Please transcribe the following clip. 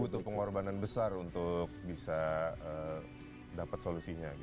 itu pengorbanan besar untuk bisa dapat solusinya gitu